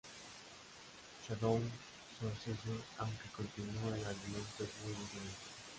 Shadow Sorcerer aunque continua el argumento es muy diferente.